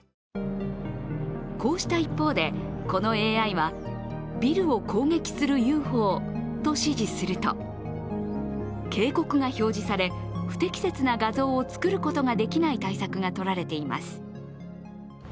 こうした一方でこのＡＩはビルを攻撃するＵＦＯと指示すると、警告が表示され、不適切な画像を作ることができない対策が取られています。